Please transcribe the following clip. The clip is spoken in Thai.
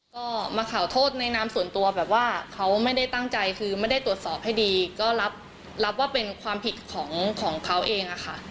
ก็มาขอโทษในนามส่วนตัวแบบว่าเขาไม่ได้ตั้งใจคือไม่ได้ตรวจสอบให้ดีก็รับว่าเป็นความผิดของเขาเองอะค่ะ